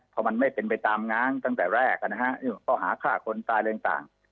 พอมันไม่เป็นไปตามงางตั้งแต่แรกนะฮะข้อหาฆ่าคนตายเรื่องต่าง